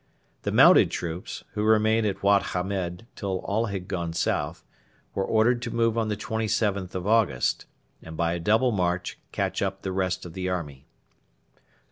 The mounted troops, who remained at Wad Hamed till all had gone south, were ordered to move on the 27th of August, and by a double march catch up the rest of the army.